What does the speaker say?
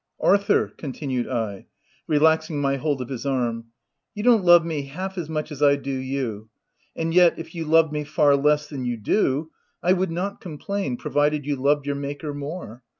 u Arthur,'' continued I, relaxing my hold of his arm, " you don't love me half as much as I do you ; and yet, if you loved me far less than you do, I would not complain, provided you loved your Maker more.